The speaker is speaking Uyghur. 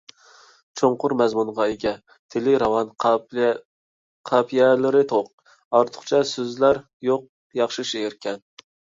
چوڭقۇر مەزمۇنغا ئىگە، تىلى راۋان، قاپىيەلىرى توق، ئارتۇقچە سۆزلەر يوق ياخشى شېئىركەن.